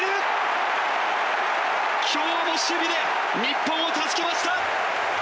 今日も守備で日本を助けました。